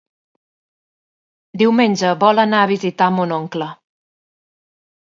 Diumenge vol anar a visitar mon oncle.